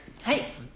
はい。